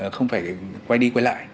không phải quay đi quay lại